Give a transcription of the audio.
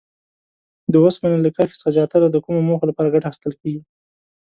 د اوسپنې له کرښې څخه زیاتره د کومو موخو لپاره ګټه اخیستل کیږي؟